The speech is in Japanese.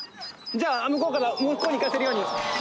じゃあ向こうから向こうに行かせるように。